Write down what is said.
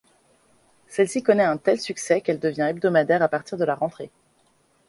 Celle-ci connaît un tel succès qu'elle devient hebdomadaire à partir de la rentrée.